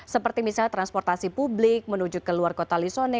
seperti misalnya transportasi publik menuju ke luar kota lisone